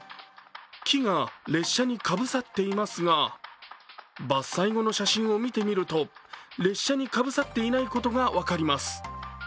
木が列車にかぶさっていますが、伐採後の写真を見てみると列車にかぶさっていないことが分かります。